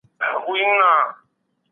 معلومات شریک کړئ.